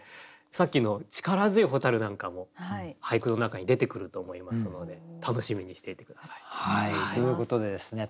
さっきの力強い蛍なんかも俳句の中に出てくると思いますので楽しみにしていて下さい。ということでですね